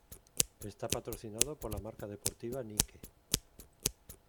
Está patrocinado por la marca deportiva Nike.